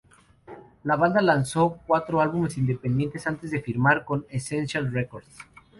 La banda lanzó cuatro álbumes independientes antes de firmar con Essential Records.